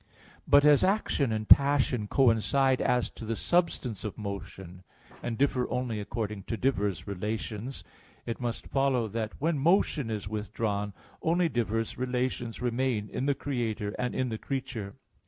But as action and passion coincide as to the substance of motion, and differ only according to diverse relations (Phys. iii, text 20, 21), it must follow that when motion is withdrawn, only diverse relations remain in the Creator and in the creature.